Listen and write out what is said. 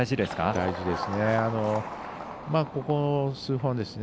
大事ですね。